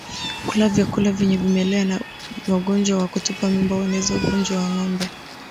Kula vyakula vyenye vimelea vya ugonjwa wa kutupa mimba hueneza ugonjwa kwa ngombe